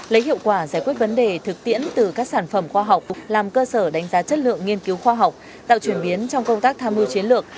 lấy hiệu quả giải quyết vấn đề thực tiễn từ các sản phẩm khoa học làm cơ sở đánh giá chất lượng nghiên cứu khoa học tạo chuyển biến trong công tác tham mưu chiến lược